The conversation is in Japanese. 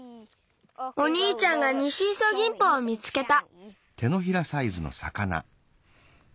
おにいちゃんがニシイソギンポを見つけた。